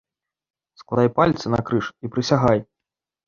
Складай пальцы накрыж і прысягай!